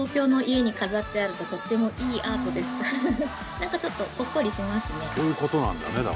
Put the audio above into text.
何かちょっとほっこりしますね。